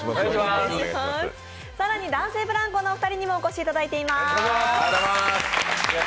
更に男性ブランコのお二人にも来ていただいています。